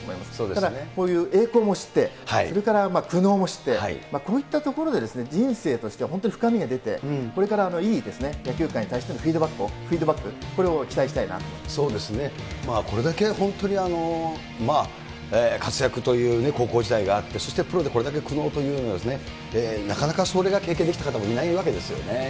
ただ、こういう栄光も知って、それから苦悩も知って、こういったところで、人生としては本当に深みが出て、これからいい野球界に対してのフィードバック、これを期待したいそうですね、これだけ本当に活躍という高校時代があって、そしてプロでこれだけ苦悩というようなね、なかなかそれが経験できた方もいないわけですよね。